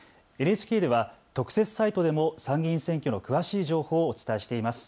ＮＨＫでは特設サイトでも参議院選挙の詳しい情報をお伝えしています。